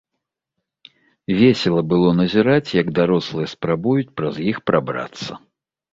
Весела было назіраць, як дарослыя спрабуюць праз іх прабрацца.